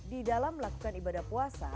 di dalam melakukan ibadah puasa